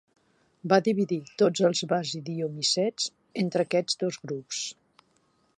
Va dividir tots els basidiomicets entre aquests dos grups.